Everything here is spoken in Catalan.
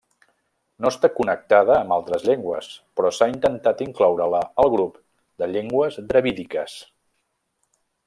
No està connectada amb altres llengües, però s'ha intentat incloure-la al grup de llengües dravídiques.